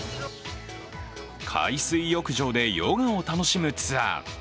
海水浴場でヨガを楽しむツアー。